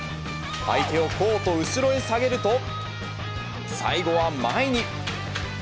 相手をコート後ろへ下げると、最後は前に。